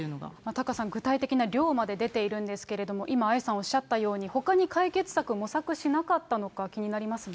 タカさん、具体的な量まで出ているんですけども、今、愛さんおっしゃったように、ほかに解決策、模索しなかったのか、気になりますよね。